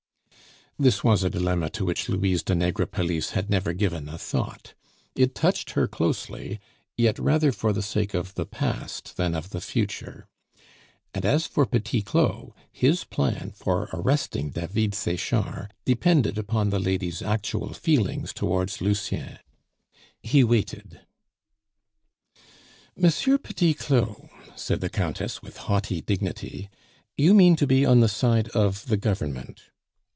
This was a dilemma to which Louise de Negrepelisse had never given a thought; it touched her closely, yet rather for the sake of the past than of the future. And as for Petit Claud, his plan for arresting David Sechard depended upon the lady's actual feelings towards Lucien. He waited. "M. Petit Claud," said the Countess, with haughty dignity, "you mean to be on the side of the Government.